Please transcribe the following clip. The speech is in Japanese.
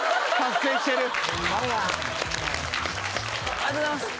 ありがとうございます。